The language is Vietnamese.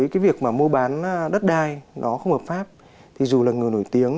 cái việc mà mua bán đất đai nó không hợp pháp thì dù là người nổi tiếng